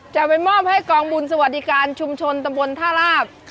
จะไปมอบให้กองบุญสวัสดิการชุมชนตำบลท่าลาบ